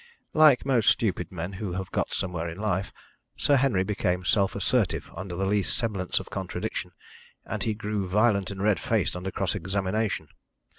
Like most stupid men who have got somewhere in life, Sir Henry became self assertive under the least semblance of contradiction, and he grew violent and red faced under cross examination.